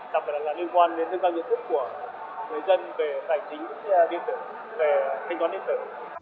đặc biệt là liên quan đến nâng cao nhận thức của người dân về tài chính điện tử về thanh toán điện tử